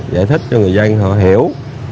giải thích cho người dân họ hiểu